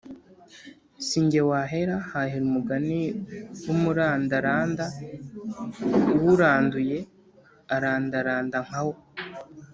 Sijye wahera hahera umugani w’umurandaranda uwuranduye arandaranda nkawo.